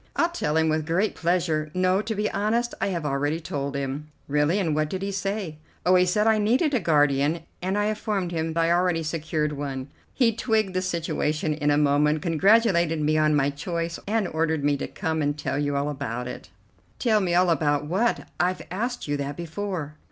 "I'll tell him with great pleasure. No, to be honest, I have already told him." "Really, and what did he say?" "Oh, he said I needed a guardian, and I informed him I had already secured one. He twigged the situation in a moment, congratulated me on my choice, and ordered me to come and tell you all about it." "Tell me all about what? I've asked you that before."